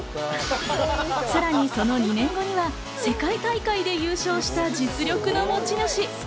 さらにその２年後には世界大会で優勝した実力の持ち主。